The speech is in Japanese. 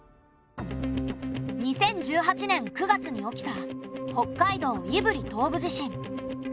２０１８年９月に起きた北海道胆振東部地震。